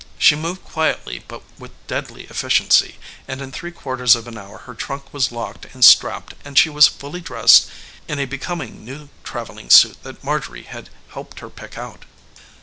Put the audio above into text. She moved quietly, but deadly efficiency, and in three quarters of an hour her trunk was locked and strapped and she was fully dressed in a becoming new travelling suit that Marjorie had helped her pick out.